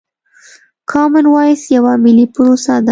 کامن وايس يوه ملي پروسه ده.